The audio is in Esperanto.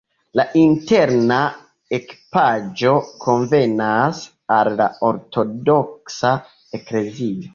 La interna ekipaĵo konvenas al la ortodoksa eklezio.